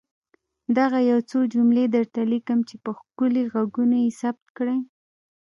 دغه يو څو جملې درته ليکم چي په ښکلي ږغونو يې ثبت کړئ.